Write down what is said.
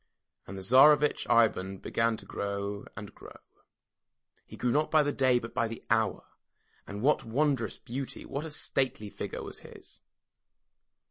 And the Tsarevitch Ivan began to grow and grow. He grew not by the day, but by the hour, and what wondrous beauty, what a stately figure was his.